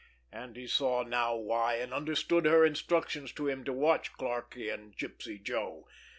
And he saw now why, and understood her instructions to him to watch Clarkie and Gypsy Joe.